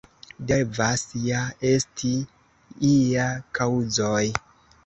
Devas ja esti iaj kaŭzoj.